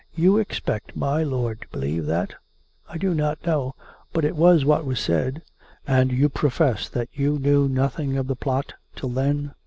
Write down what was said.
You expect my lord to believe that? "" I do not know. ... But it was what was said." " And you profess that you knew nothing of the plot till then?"